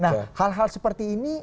nah hal hal seperti ini